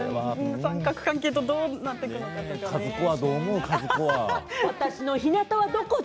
三角関係とどうなっていくのか。